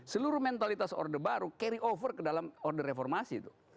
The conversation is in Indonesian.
seluruh mentalitas orde baru carry over ke dalam order reformasi itu